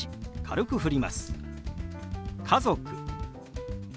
「家族」。